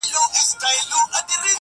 ستا د سونډو له ساغره به یې جار کړم,